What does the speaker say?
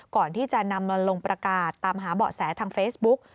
ก่อนที่จะนำมาลงประกาศตามหาเบาะแสทางเฟซบุ๊ก